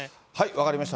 分かりました。